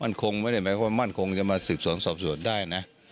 มันคงไม่ได้หมายความมั่นคงจะมาสืบสวนสอบสวนได้นะ